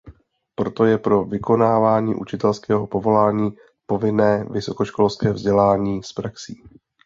Proto je pro vykonávání učitelského povolání povinné vysokoškolské vzdělání s praxí.